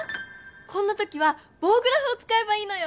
こんなときはぼうグラフを使えばいいのよ！